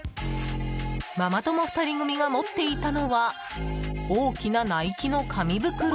ママ友２人組が持っていたのは大きなナイキの紙袋。